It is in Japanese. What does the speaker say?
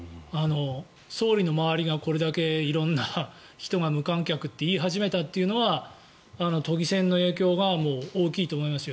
総理の周りがこれだけ色んな人が無観客って言い始めたというのは都議選の影響が大きいと思いますよ。